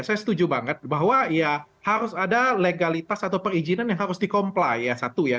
saya setuju banget bahwa ya harus ada legalitas atau perizinan yang harus di comply ya satu ya